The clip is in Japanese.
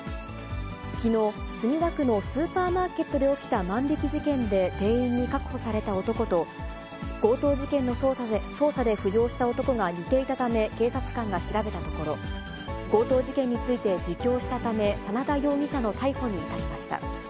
きのう、墨田区のスーパーマーケットで起きた万引き事件で店員に確保された男と、強盗事件の捜査で浮上した男が似ていたため、警察官が調べたところ、強盗事件について自供したため、真田容疑者の逮捕に至りました。